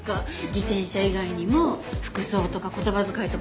自転車以外にも服装とか言葉遣いとか